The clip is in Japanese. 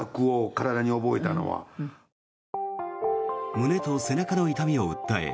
胸と背中の痛みを訴え